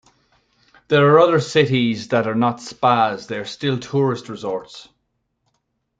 There are other cities that are not spas, they are still tourist resorts.